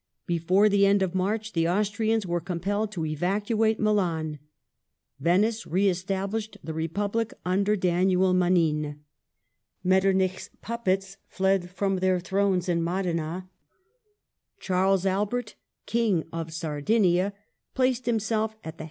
Before the end of March the Austrians were compelled to evacuate Milan ; Venice re established the republic under Daniel Manin ; Metternich's puppets fled from their thrones in Modena and Parma ; Charles Albert, King of Sardinia, placed himself at the